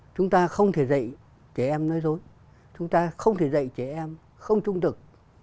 chúng ta không thể dạy trẻ em nói dối chúng ta không thể dạy trẻ em không trung thực